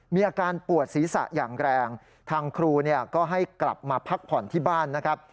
มีอาการปวดศีรษะอย่างแรงทางครูเนี่ยก็ให้กลับมาพักผ่อนที่บ้านนะครับ